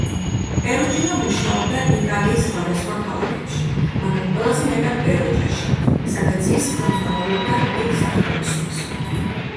პერუჯინო მუშაობდა იტალიის სხვადასხვა ქალაქებში, მაგრამ ყველაზე მეტად პერუჯაში, სადაც ის ხელმძღვანელობდა დიდ სახელოსნოს.